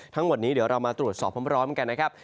ทั้งหมดนี้เดี๋ยวเรามาตรวจสอบพร้อมกันนะครับ